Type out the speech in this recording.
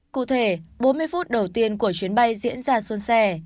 cụ thể bốn mươi phút đầu tiên của chuyến bay diễn ra xuân xẻ